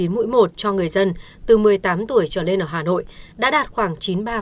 mỗi một cho người dân từ một mươi tám tuổi trở lên ở hà nội đã đạt khoảng chín mươi ba